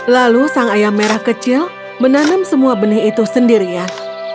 lalu sang ayam merah kecil menanam semua benih itu sendirian